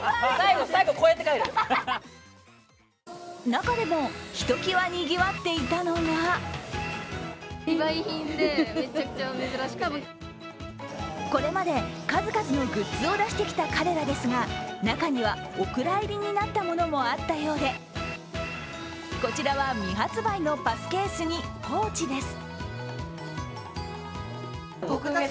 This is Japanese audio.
中でもひときわ、にぎわっていたのがこれまで数々のグッズを出してきた彼らですが中にはお蔵入りになったものもあったようで、こちらは未発売のパスケースにポーチです。